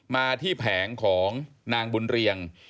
มาที่แผงของนางบุญเรียง